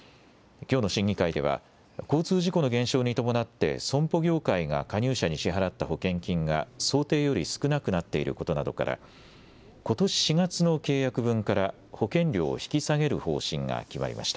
きょうの審議会では交通事故の減少に伴って損保業界が加入者に支払った保険金が想定より少なくなっていることなどからことし４月の契約分から保険料を引き下げる方針が決まりました。